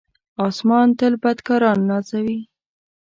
آسمان تل بدکاران نازوي.